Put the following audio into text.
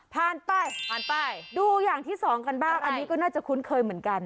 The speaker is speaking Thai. ผ่านไปผ่านไปดูอย่างที่สองกันบ้างอันนี้ก็น่าจะคุ้นเคยเหมือนกัน